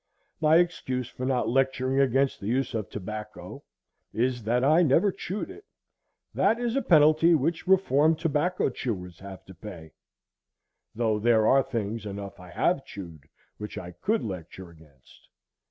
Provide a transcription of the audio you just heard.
My excuse for not lecturing against the use of tobacco is, that I never chewed it; that is a penalty which reformed tobacco chewers have to pay; though there are things enough I have chewed, which I could lecture against.